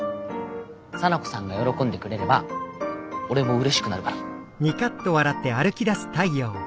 沙名子さんが喜んでくれれば俺もうれしくなるから。